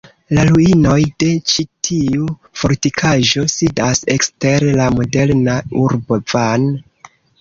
La ruinoj de ĉi tiu fortikaĵo sidas ekster la moderna urbo Van.